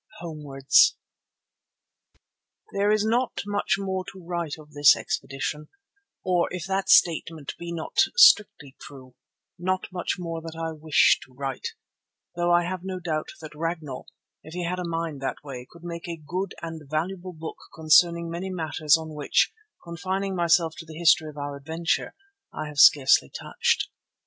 HOMEWARDS There is not much more to write of this expedition, or if that statement be not strictly true, not much more that I wish to write, though I have no doubt that Ragnall, if he had a mind that way, could make a good and valuable book concerning many matters on which, confining myself to the history of our adventure, I have scarcely touched.